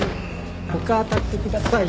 他当たってください。